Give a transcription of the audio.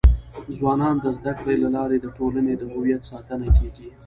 ځوانان د زده کړي له لارې د ټولنې د هویت ساتنه کيږي.